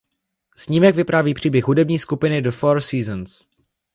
Snímek vypráví příběh hudební skupiny The Four Seasons.